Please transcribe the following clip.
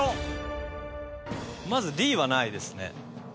まずＤはないですね。